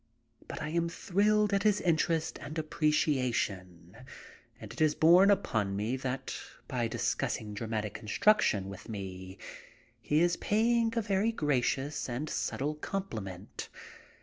But I am thrilled at his interest and ap preciation and it is borne in upon me that by discussing dramatic construction with me he is paying a very gracious and subtle compliment.